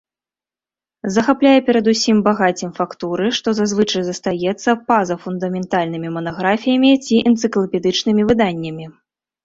Захапляе перадусім багаццем фактуры, што зазвычай застаецца па-за фундаментальнымі манаграфіямі ці энцыклапедычнымі выданнямі.